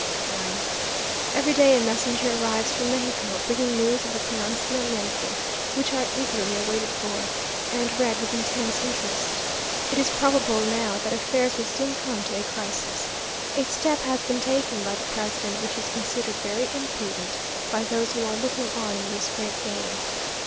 9th. Every day a messenger arrives from Mexico, bringing news of the pronunciamiento, which are eagerly waited for, and read with intense interest. It is probable, now, that affairs will soon come to a crisis. A step has been taken by the president, which is considered very imprudent by those who are looking on in this great game.